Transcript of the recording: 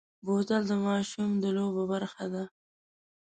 بوتل د ماشوم د لوبو برخه ده.